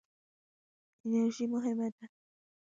انرژي مهمه ده.